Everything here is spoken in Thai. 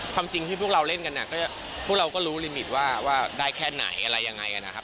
ความจริงที่พวกเราเล่นกันพวกเราก็รู้ลิมิตว่าว่าได้แค่ไหนอะไรยังไงนะครับ